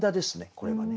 これはね。